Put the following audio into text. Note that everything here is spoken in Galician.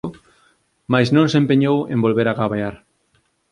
Mais non se empeñou en volver a gabear.